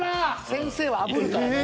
先生はあぶるからね。